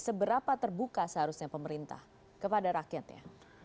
seberapa terbuka seharusnya pemerintah kepada rakyatnya